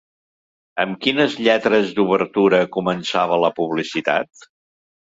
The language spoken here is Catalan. Amb quines lletres d'obertura començava la publicitat?